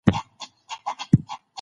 که سرتیری وي نو پوله نه ماتیږي.